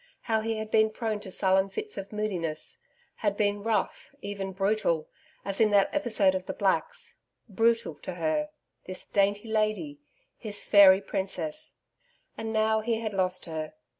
How he had been prone to sullen fits of moodiness; had been rough, even brutal, as in that episode of the Blacks.... Brutal to her this dainty lady, his fairy princess! ... And now he had lost her.